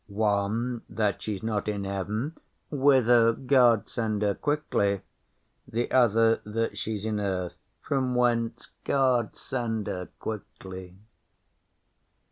One, that she's not in heaven, whither God send her quickly! The other, that she's in earth, from whence God send her quickly!